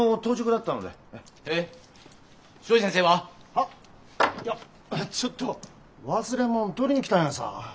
あいやちょっと忘れ物を取りに来たんやさ。